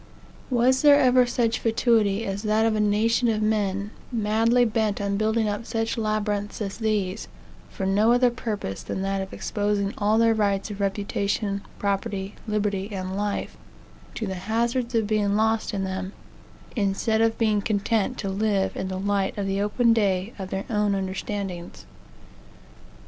Was there ever such fatuity as that of a nation of men madly bent on building up such labyrinhs as these, for no other purpose than that of exposing all their rights of reputation, property, liberty, and life, to the hazards of being lost in them, instead of being content to live in the light of the open day of their own understandings?